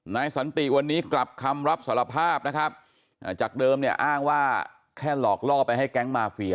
สันติวันนี้กลับคำรับสารภาพนะครับจากเดิมเนี่ยอ้างว่าแค่หลอกล่อไปให้แก๊งมาเฟีย